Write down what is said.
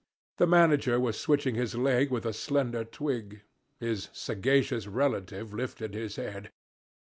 The manager was switching his leg with a slender twig: his sagacious relative lifted his head.